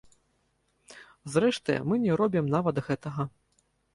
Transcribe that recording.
Зрэшты, мы не робім нават гэтага.